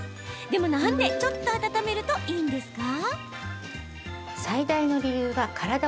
でも、なんでちょっと温めるといいんですか？